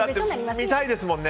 見たいですもんね。